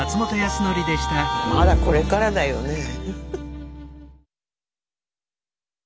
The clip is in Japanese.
まだこれからだよねえ。